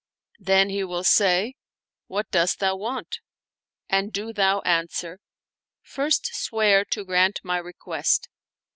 Then he will say: What dost thou want? and do thou answer: First swear to grant my request.